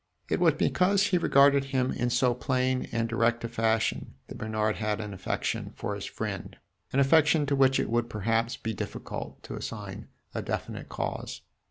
It was because he regarded him in so plain and direct a fashion, that Bernard had an affection for his friend an affection to which it would perhaps be difficult to assign a definite cause.